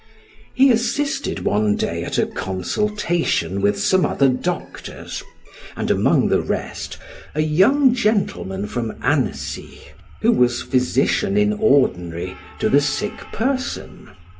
He assisted one day at a consultation with some other doctors, and among the rest, a young gentleman from Annecy, who was physician in ordinary to the sick person.